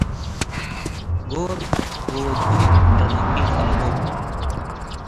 ጎር ወወድ-እም ርመቂት አለቦም።